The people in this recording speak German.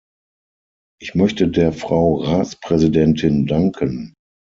Ich möchte der Frau Ratspräsidentin danken.